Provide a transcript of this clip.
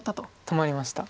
止まりました。